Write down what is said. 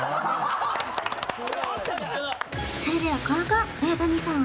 それでは後攻村上さん